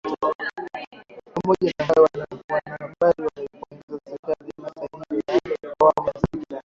Pamoja na hayo wanahabari wameipongeza serikali hasa hii ya awamu ya sita